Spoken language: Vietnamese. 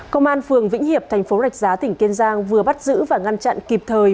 công an phường vĩnh hiệp thành phố rạch giá tỉnh kiên giang vừa bắt giữ và ngăn chặn kịp thời